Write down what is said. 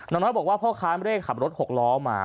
น้อยบอกว่าพ่อค้าไม่ได้ขับรถหกล้อมา